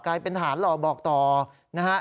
กลายเป็นทหารหล่อบอกต่อนะฮะ